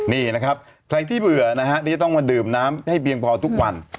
นี่นะครับใครที่เบื่อนะฮะที่จะต้องมาดื่มน้ำให้เพียงพอทุกวัน